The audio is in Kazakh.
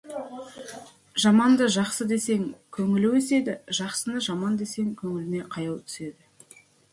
Жаманды жақсы десең, көңілі өседі, жақсыны жаман десең, көңіліне қаяу түседі.